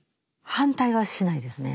反対はしないですね。